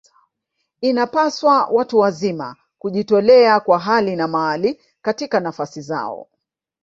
Inapaswa watu wazima kujitolea kwa hali na mali katika nafasi zao